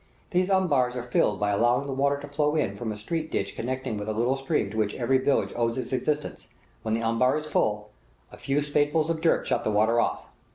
These umbars are filled by allowing the water to flow in from a street ditch connecting with the little stream to which every village owes its existence; when the umbar is full, a few spadefuls of dirt shut the water off.